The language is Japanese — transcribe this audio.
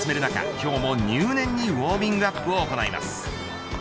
今日も入念にウォーミングアップを行います。